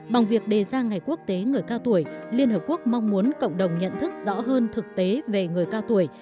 bằng việc đề ra ngày quốc tế người cao tuổi liên hợp quốc mong muốn cộng đồng nhận thức rõ hơn thực tế về người cao tuổi